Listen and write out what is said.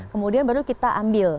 kemudian baru kita ambil